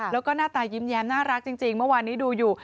แล้วก็หน้าตายิ้มน่ารักจริงเมื่อวานนี้ดูอยู่